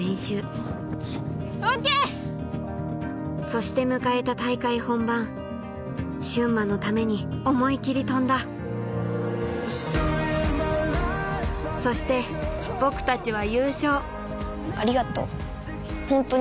そして迎えた大会本番駿萬のために思い切り跳んだそして僕たちは優勝！